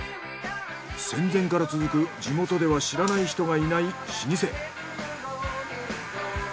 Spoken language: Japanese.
戦前から続く地元では知らない人がいない老舗。